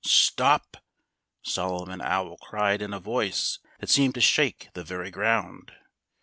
"Stop!" Solomon Owl cried in a voice that seemed to shake the very ground.